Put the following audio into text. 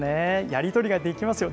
やり取りができますよ。